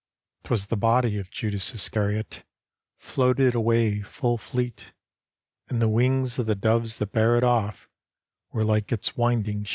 Twas the body of Judas Iscariot Floated away full fleet," And the wings of the doves that bare it off Were like its winding sheet.